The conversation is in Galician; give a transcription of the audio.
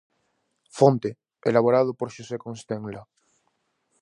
Fonte: Elaborado por Xosé Constenla.